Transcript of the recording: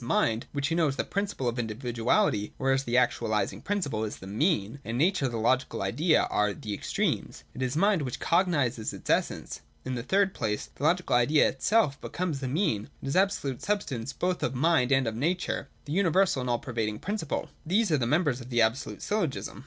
Mind, which we know as the principle of individuality, or as the actualising principle, is the mean ; and Nature and the Logical Idea are the extremes. It is Mind which cognises the Logical Idea in Nature and which thus raises Nature to its essence. In the third place again the Logical Idea itself becomes the mean : it is the absolute substance both of mind and of nature, the universal and all pervading principle. These are the members of the Absolute Syllogism.